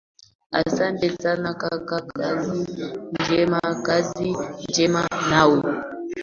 asante sana kaka kazi njema kazi njema nawe